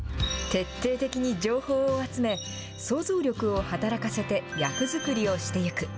徹底的に情報を集め、想像力を働かせて役作りをしていく。